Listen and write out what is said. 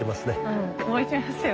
うん覚えてますよ